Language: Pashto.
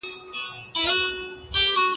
زه پرون د کتابتون کار وکړل.